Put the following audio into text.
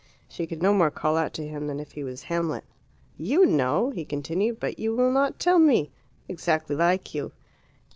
She could no more call out to him than if he was Hamlet. "You know!" he continued, "but you will not tell me. Exactly like you."